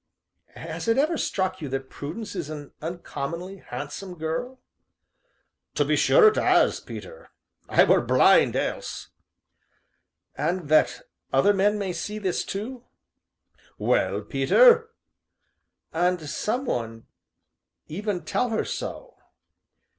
"Has it ever struck you that Prudence is an uncommonly handsome girl?" "To be sure it 'as, Peter I were blind else." "And that other men may see this too?" "Well, Peter?" "And some one even tell her so?"